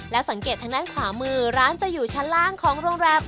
และสังเกตทางด้านขวามือร้านจะอยู่ชั้นล่างของโรงแรม